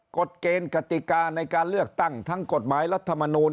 กฎเกณฑ์กติกาในการเลือกตั้งทั้งกฎหมายรัฐมนูล